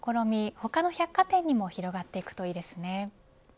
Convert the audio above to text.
他の百貨店にも広がっていくといいですね。